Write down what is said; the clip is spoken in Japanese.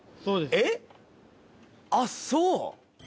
あっそう。